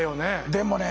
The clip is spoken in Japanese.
でもね